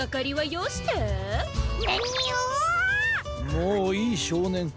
もういいしょうねん。